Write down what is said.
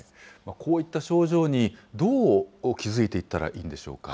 こういった症状に、どう気付いていったらいいんでしょうか。